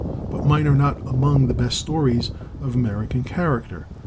But mine are not among the best stories of American character.